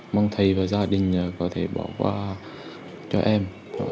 mong thầy và gia đình có thể bỏ qua cho em